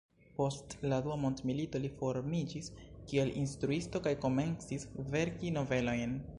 Post la dua mondmilito, li formiĝis kiel instruisto kaj komencis verki novelojn.